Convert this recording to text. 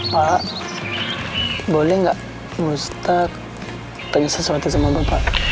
pak boleh gak mustahak tanya sesuatu sama bapak